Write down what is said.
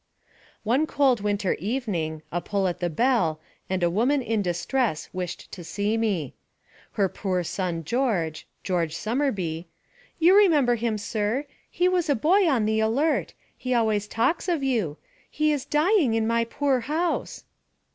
One cold winter evening, a pull at the bell, and a woman in distress wished to see me. Her poor son George, George Somerby, "you remember him, sir; he was a boy in the Alert; he always talks of you, he is dying in my poor house."